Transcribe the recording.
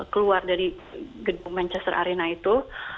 keluar dari gedung manchester arena itu